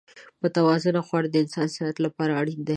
متوازن خواړه د انسان د صحت لپاره اړین دي.